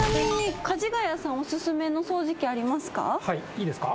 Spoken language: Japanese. いいですか？